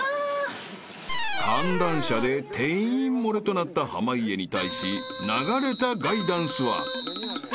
［観覧車で定員漏れとなった濱家に対し流れたガイダンスは］え！